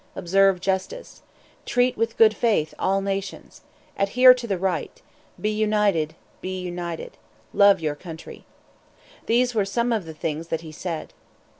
Observe justice. Treat with good faith all nations. Adhere to the right. Be united be united. Love your country." These were some of the things that he said.